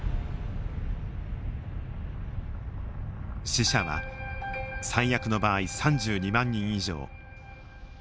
死者は最悪の場合３２万人以上。